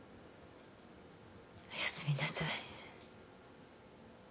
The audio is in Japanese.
おやすみなさい。